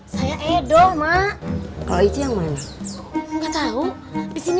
saya edo mak kalau itu yang mana enggak tahu di sini